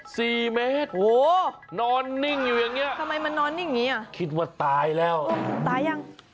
สี่เมตรโหนอนนิ่งอยู่อย่างนี้คิดว่าตายแล้วตายยัง